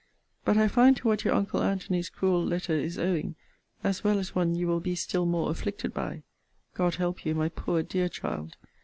But I find to what your uncle Antony's cruel letter is owing, as well as one you will be still more afflicted by, [God help you, my poor dear child!